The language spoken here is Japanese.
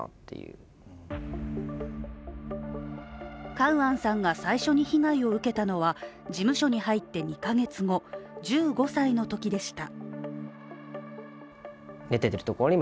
カウアンさんが最初に被害を受けたのは事務所に入って２か月後１５歳のときでした。